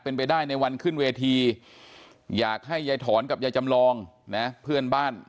เป็นไปได้ในวันขึ้นเวทีอยากให้ยายถอนกับยายจำลองนะเพื่อนบ้าน